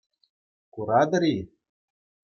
Куратӑр-и?